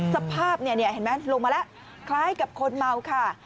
สภาพลงมาแล้วคล้ายกับคนเหมาค่ะ